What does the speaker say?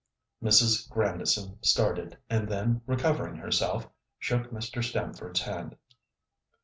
Mrs. Grandison started, and then recovering herself, shook Mr. Stamford's hand.